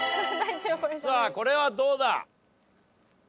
さあこれはどうだ？